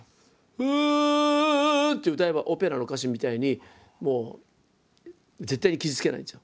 「ウ！」って歌えばオペラの歌手みたいにもう絶対に傷つけないんですよ。